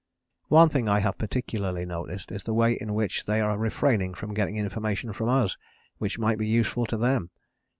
"One thing I have particularly noticed is the way in which they are refraining from getting information from us which might be useful to them.